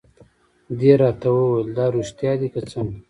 دې راته وویل: دا رېښتیا دي که څنګه؟